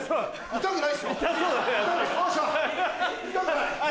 痛くない！